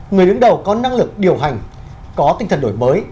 người đứng đầu có năng lực điều hành có tinh thần đổi mới